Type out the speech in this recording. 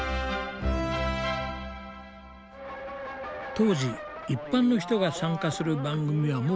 当時一般の人が参加する番組はもう画期的。